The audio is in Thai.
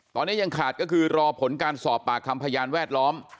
ตอนนี้ยังขาดก็คือรอผลการสอบปากคำพยานแวดล้อม